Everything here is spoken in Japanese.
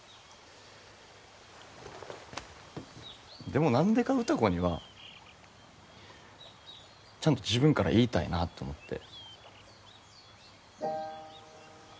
でも何でか歌子にはちゃんと自分から言いたいなって思って。